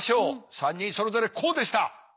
３人それぞれこうでした！